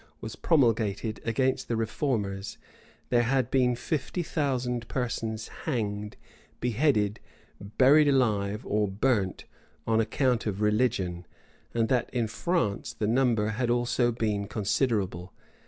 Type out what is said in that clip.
was promulgated against the reformers, there had been fifty thousand persons hanged, beheaded, buried alive, or burnt, on account of religion; and that in France the number had also been considerable.